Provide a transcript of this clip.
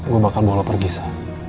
gue bakal bawa lo pergi sa